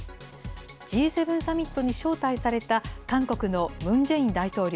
Ｇ７サミットに招待された、韓国のムン・ジェイン大統領。